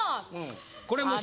これもう。